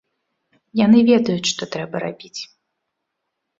Яны ведаюць, што трэба рабіць.